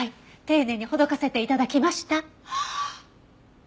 丁寧にほどかせて頂きました。